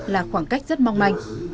là khoảng cách rất mong manh